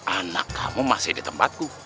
anak kamu masih di tempatku